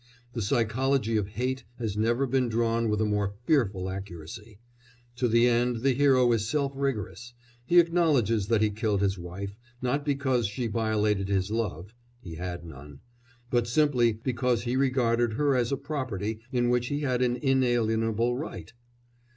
The psychology of hate has never been drawn with a more fearful accuracy. To the end the hero is self rigorous; he acknowledges that he killed his wife, not because she violated his love (he had none), but simply because he regarded her as a property in which he had an inalienable right.